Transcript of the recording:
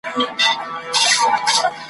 له غلو سره ملګری نګهبان په باور نه دی `